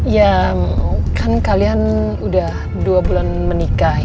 ya kan kalian udah dua bulan menikah